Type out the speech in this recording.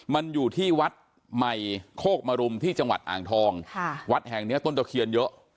มันอยู่ที่วัดใหม่โคกมรุมที่จังหวัดอ่างทองค่ะวัดแห่งเนี้ยต้นตะเคียนเยอะ